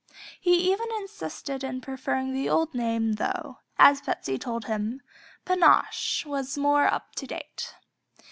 He even insisted in preferring the old name though, as Betsey told him, "Pinoche" was more "up to date."